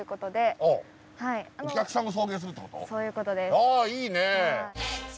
ああいいね。